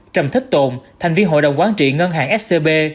trầm thích tồn thành viên hội đồng quán trị ngân hàng scb